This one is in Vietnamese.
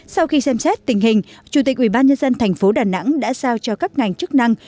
sau khi xem xét tình hình chủ tịch ubnd thành phố đà nẵng đã sao cho các ngành chức năng